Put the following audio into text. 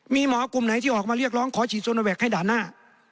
มีหมอกลุ่มไหนที่ออกมาเรียกร้องขอฉีดโซโนแวคให้ด่านหน้า